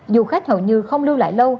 dù khách hầu như không lưu lại lâu